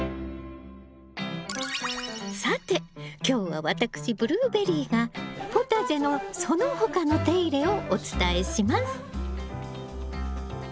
さて今日は私ブルーベリーがポタジェのその他の手入れをお伝えします。